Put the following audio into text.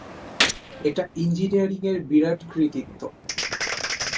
এটা ইঞ্জিনিয়ারিং এর বিরাট কৃতিত্ব।